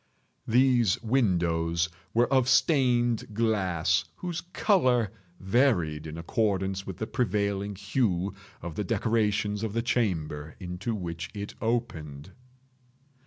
These windows were of stained glass whose color varied in accordance with the prevailing hue of the decorations of the chamber into which it opened.